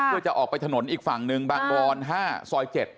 ก็จะออกไปถนนอีกฝั่งหนึ่งบางบร๕ซอย๗